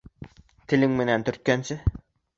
Телең менән төрткәнсе